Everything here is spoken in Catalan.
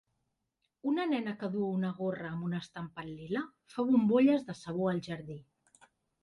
Una nena que duu una gorra amb un estampat lila, fa bombolles de sabó al jardí.